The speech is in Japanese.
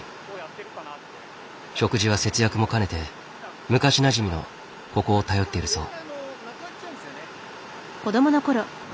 食事は節約もかねて昔なじみのここを頼っているそう。